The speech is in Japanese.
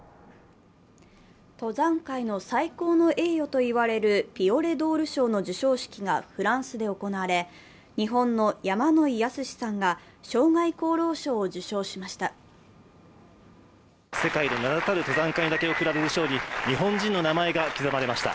登山界の最高の栄誉といわれるピオレドール賞の授賞式がフランスで行われ、日本の山野井泰史さんが生涯功労賞を受賞しました。